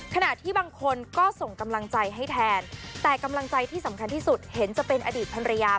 ขณะที่บางคนก็ส่งกำลังใจให้แทนแต่กำลังใจที่สำคัญที่สุดเห็นจะเป็นอดีตภรรยา